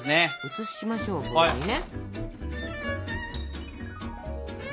移しましょうボウルにね。